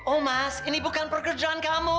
omas ini bukan pekerjaan